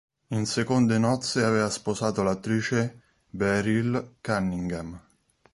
In seconde nozze aveva sposato l'attrice Beryl Cunningham.